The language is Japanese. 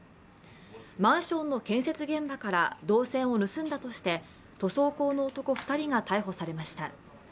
マンションの建設現場から銅線を盗んだとして塗装工の男２人が逮捕されました。